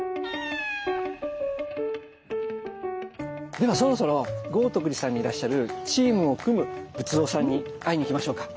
ではそろそろ豪徳寺さんにいらっしゃるチームを組む仏像さんに会いに行きましょうか。